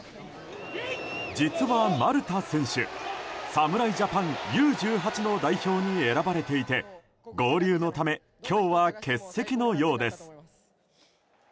実は丸田選手侍ジャパンＵ‐１８の代表に選ばれていて、合流のため今日は欠席のようです。